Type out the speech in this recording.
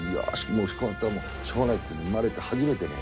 こうなったらしょうがないっていうんで生まれて初めてね